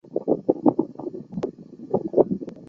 现任国家公安委员会委员长。